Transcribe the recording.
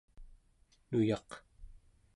nuyaq